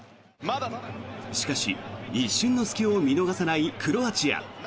しかし、一瞬の隙を見逃さないクロアチア。